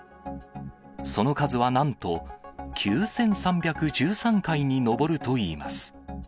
その数はなんと、９３１３回に上るといいます。